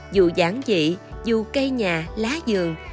dù giản dị dù cây nhà lá dường